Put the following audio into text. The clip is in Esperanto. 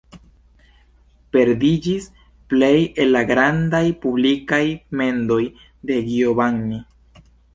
Perdiĝis plej el la grandaj publikaj mendoj de Giovanni.